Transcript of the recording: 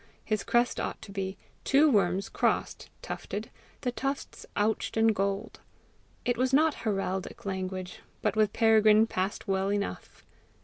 his crest ought to be two worms crossed, tufted, the tufts ouched in gold. It was not heraldic language, but with Peregrine passed well enough.